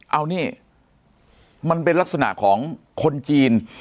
เอานี่มันเป็นลักษณะของคนจีน